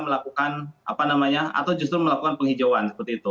melakukan apa namanya atau justru melakukan penghijauan seperti itu